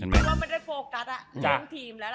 มันไม่ได้โฟกัสอ่ะเริ่มทีมแล้วล่ะ